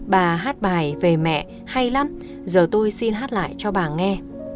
bà hát bài về mẹ hay lắm giờ tôi xin hát lại cho bà nghe